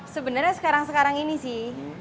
sebenarnya sekarang sekarang ini sih